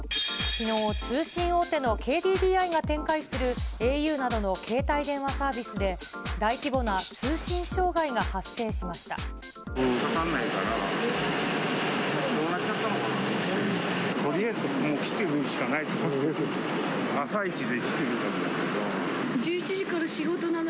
きのう、通信大手のＫＤＤＩが展開するａｕなどの携帯電話サービスで、かからないから、どうなっちゃったのかな。